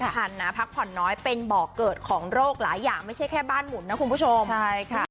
แต่แค่บอกว่าอันใหม่อาจจะสว่างคาตาไม่ได้แล้ว